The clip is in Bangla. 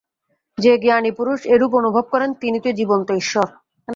যে জ্ঞানী পুরুষ এইরূপ অনুভব করেন, তিনি তো জীবন্ত ঈশ্বর।